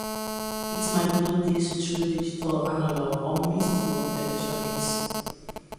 It might do this through digital, analog or mixed-mode electronics.